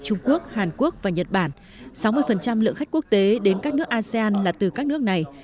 trung quốc hàn quốc và nhật bản sáu mươi lượng khách quốc tế đến các nước asean là từ các nước này